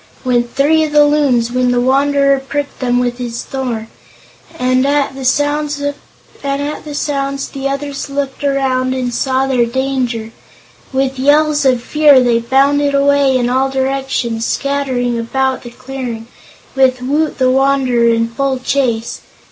went three of the Loons, when the Wanderer pricked them with his thorn, and at the sounds the others looked around and saw their danger. With yells of fear they bounded away in all directions, scattering about the clearing, with Woot the Wanderer in full chase.